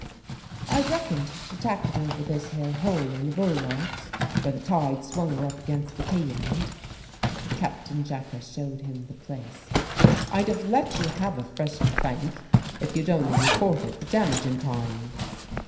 "I reckoned to tack it over this here hole in the bulwarks where the tide swung her up against the quay end." Captain Jacka showed him the place. "I'd have let you have a fresh plank if you'd only reported the damage in time."